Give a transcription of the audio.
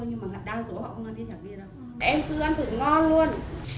em cứ ăn thử ngon luôn